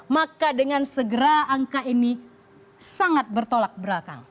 maka dengan segera angka ini sangat bertolak belakang